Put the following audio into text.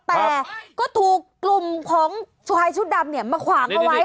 แต่ก็ถูกกลุ่มของชายชุดดำเนี่ยมาขวางเอาไว้